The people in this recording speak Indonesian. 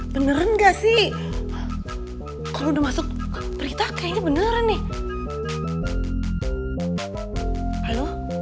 beneran gak sih kalau udah masuk berita kayaknya beneran nih